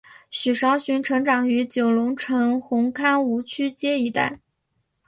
许绍雄成长于九龙城红磡芜湖街一带。